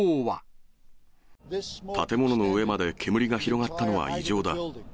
建物の上まで煙が広がったのは異常だ。